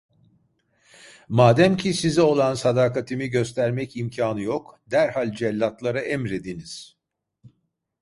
Mademki size olan sadakatimi göstermek imkanı yok, derhal cellatlara emrediniz…